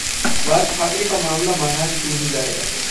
राज ठाकरे का मामला महाराष्ट्र नहीं जाएगा